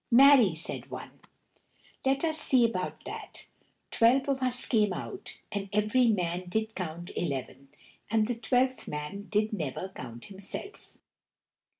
"Marry," said one, "let us see about that. Twelve of us came out," and every man did count eleven, and the twelfth man did never count himself.